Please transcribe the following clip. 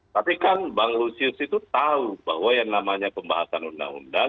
tapi kan bang lusius itu tahu bahwa yang namanya pembahasan undang undang